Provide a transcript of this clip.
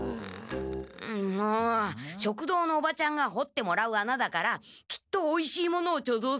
もう食堂のおばちゃんが掘ってもらう穴だからきっとおいしいものをちょぞうするためのひみつの穴を。